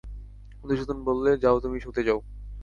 মধুসূদন বললে, যাও, তুমি শুতে যাও।